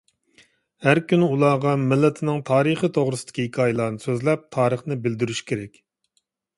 ھەر كۈنى ئۇلارغا مىللىتىنىڭ تارىخى توغرىسىدىكى ھېكايىلەرنى سۆزلەپ، تارىخنى بىلدۈرۈشى كېرەك.